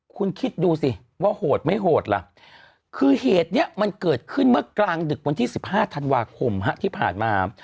คุณคิดดูสิว่าโหดไม่โหดล่ะคือเหตุนี้มันเกิดขึ้นเมื่อกลางดึกวันที่๑๕ธันวาคมที่ผ่านมา